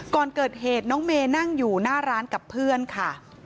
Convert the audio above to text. ก่อนเกิดเหตุน้องเมย์นั่งอยู่หน้าร้านกับเพื่อนค่ะ